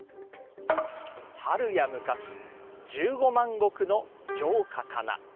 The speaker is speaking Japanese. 春や昔十五万国の城下かな。